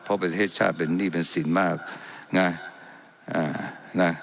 เพราะประเทศชาติเป็นหนี้เป็นสินมากนะ